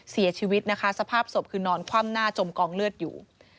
เสียชีวิตนะคะสภาพศพคือนอนคว่ำหน้าจมกองเลือดอยู่